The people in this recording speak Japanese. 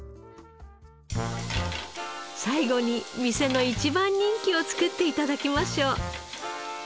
最後に店の一番人気を作って頂きましょう。